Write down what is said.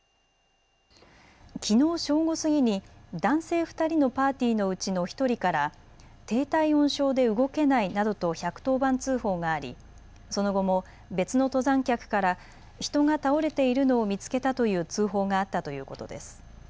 きのう正午過ぎに男性２人のパーティーのうちの１人から低体温症で動けないなどと１１０番通報があり、その後も別の登山客から人が倒れているのを見つけたという通報があったということです。